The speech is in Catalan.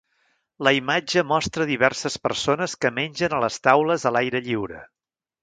La imatge mostra diverses persones que mengen a les taules a l'aire lliure.